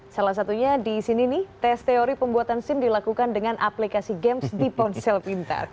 salah satunya di sini nih tes teori pembuatan sim dilakukan dengan aplikasi games di ponsel pintar